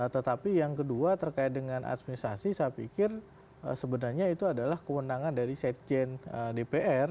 tetapi yang kedua terkait dengan administrasi saya pikir sebenarnya itu adalah kewenangan dari sekjen dpr